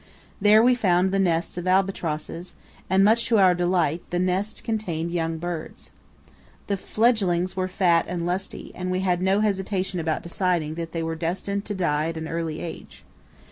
There we found the nests of albatrosses, and, much to our delight, the nests contained young birds. The fledgelings were fat and lusty, and we had no hesitation about deciding that they were destined to die at an early age.